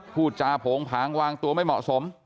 พูดจาโผงผางวางตัวไม่เหมาะสม